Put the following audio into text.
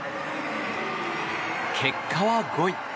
結果は５位。